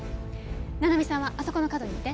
奈々美さんはあそこの角にいて。